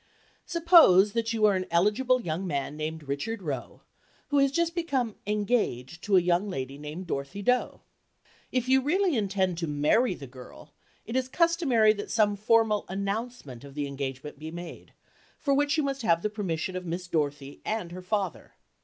Suppose that you are an eligible young man named Richard Roe, who has just become "engaged" to a young lady named Dorothy Doe. If you really intend to "marry the girl," it is customary that some formal announcement of the engagement be made, for which you must have the permission of Miss Dorothy and her father.